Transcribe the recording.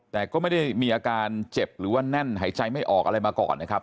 แต่ก็ไม่ได้มีอาการเจ็บหรือว่าแน่นหายใจไม่ออกอะไรมาก่อนนะครับ